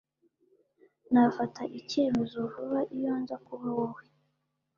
Nafata icyemezo vuba iyo nza kuba wowe